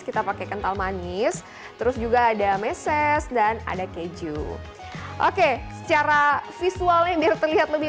kita pakai kental manis terus juga ada meses dan ada keju oke secara visualnya biar terlihat lebih